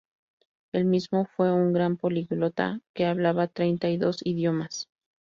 Él mismo fue un gran políglota que hablaba treinta y dos idiomas.